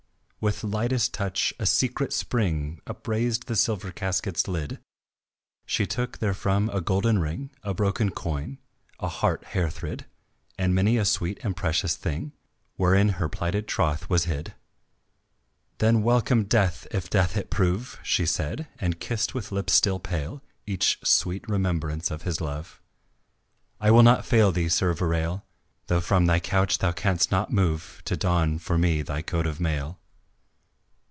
With lightest touch a secret spring Upraised the silver casket's lid; She took therefrom a golden ring, A broken coin, a heart hair thrid, And many a sweet and precious thing Wherein her plighted troth was hid. "Then welcome death, if death it prove," She said and kissed with lips still pale Each sweet remembrance of his love; "I will not fail thee, Sir Verale, Though from thy couch thou canst not move To don for me thy coat of mail."